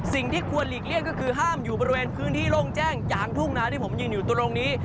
สิ่งที่ควรหลีกเลี่ยงก็คือห้ามอยู่บริเวณพื้นที่โล่งแจ้งกลางทุ่งนาที่ผมยืนอยู่ตรงนี้